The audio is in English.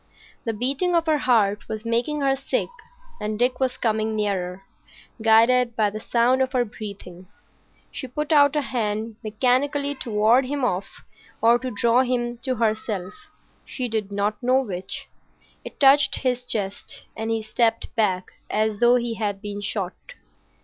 The beating of her heart was making her sick, and Dick was coming nearer, guided by the sound of her breathing. She put out a hand mechanically to ward him off or to draw him to herself, she did not know which. It touched his chest, and he stepped back as though he had been shot.